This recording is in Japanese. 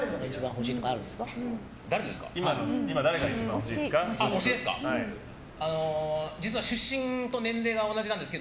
誰が一番推しとかあるんですか。